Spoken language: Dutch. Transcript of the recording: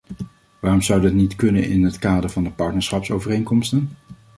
Waarom zou dat niet kunnen in het kader van de partnerschapsovereenkomsten?